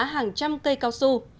hàng trăm cây cao su